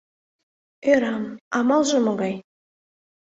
Ӧрам, амалже могай?